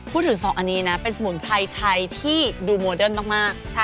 สองอันนี้นะเป็นสมุนไพรไทยที่ดูโมเดิร์นมาก